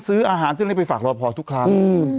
ซื้ออาหารซึ่งไปฝาวรอพอทุกครั้ง